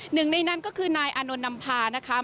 หนึ่งในนั้นก็คือนายอานนท์นำพานะคะ